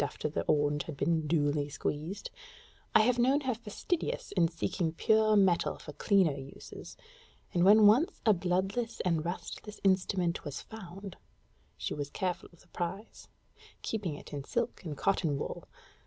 after the orange has been duly squeezed I have known her fastidious in seeking pure metal for clean uses; and when once a bloodless and rustless instrument was found, she was careful of the prize, keeping it in silk and cotton wool.